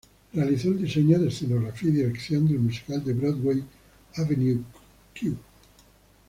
Realizó el diseño de escenografía y dirección del musical de Broadway "Avenue Q".